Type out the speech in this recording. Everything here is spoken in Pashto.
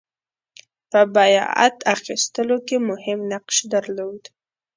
په بیعت اخیستلو کې مهم نقش درلود.